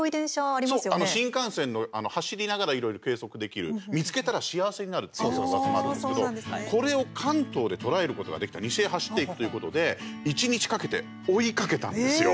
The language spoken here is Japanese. あの新幹線の走りながらいろいろ計測できる見つけたら幸せになるっていううわさもあるんですけどこれを関東で捉えることができた西へ走っていくということで一日かけて追いかけたんですよ。